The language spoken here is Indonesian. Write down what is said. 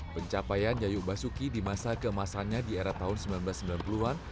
pencapaian yayu basuki di masa keemasannya di era tahun seribu sembilan ratus sembilan puluh an